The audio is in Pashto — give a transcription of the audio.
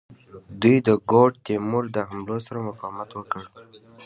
دوی د ګوډ تیمور د حملو سره مقاومت وکړ.